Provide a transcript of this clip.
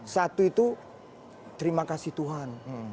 satu itu terima kasih tuhan